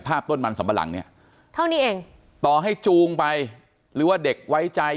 ต้นมันสัมปะหลังเนี่ยเท่านี้เองต่อให้จูงไปหรือว่าเด็กไว้ใจ